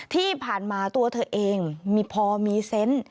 ที่ผ่านมาตัวเธอเองมีพอมีเซนต์